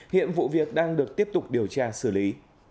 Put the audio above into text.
hiện vụ việc đang được tiếp tục điều tra xử lý